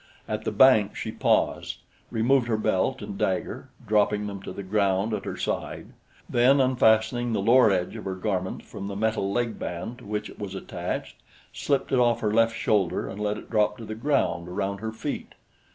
At the bank she paused, removed her belt and dagger, dropping them to the ground at her side; then unfastening the lower edge of her garment from the metal leg band to which it was attached, slipped it off her left shoulder and let it drop to the ground around her feet.